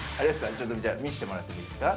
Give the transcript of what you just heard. ちょっと見してもらってもいいですか？